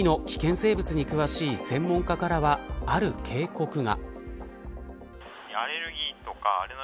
生物に詳しい専門家からはある警告が。